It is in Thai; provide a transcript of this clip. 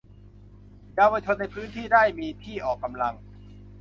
เยาวชนในพื้นที่ได้มีที่ออกกำลัง